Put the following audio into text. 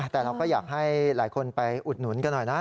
แต่เราก็อยากให้หลายคนไปอุดหนุนกันหน่อยนะ